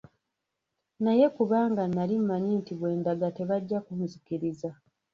Naye kubanga nali mmanyi nti bwe ndaga tebajja kunzikiriza.